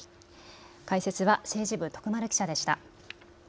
解説は政治部、徳丸記者でした。